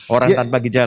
orang tanpa gejala